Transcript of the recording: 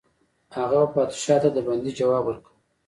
هغه به پادشاه ته د بندي ځواب ورکاوه.